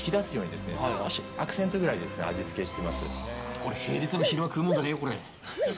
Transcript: これ、平日の昼間に食うもんじゃねえよ。